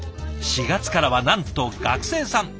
４月からはなんと学生さん。